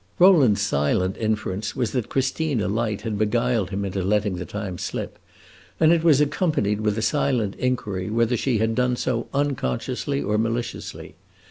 Rowland's silent inference was that Christina Light had beguiled him into letting the time slip, and it was accompanied with a silent inquiry whether she had done so unconsciously or maliciously.